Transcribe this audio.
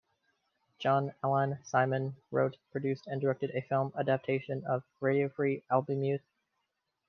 John Alan Simon wrote, produced and directed a film adaptation of "Radio Free Albemuth".